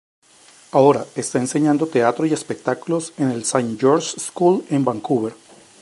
Ahora, está enseñando teatro y espectáculos en el St George's School en Vancouver.